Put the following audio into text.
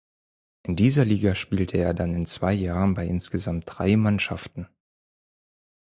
In dieser Liga spielte er dann in zwei Jahren bei insgesamt drei Mannschaften.